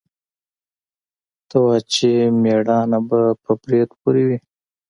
ته وا چې مېړانه به په برېت پورې وي.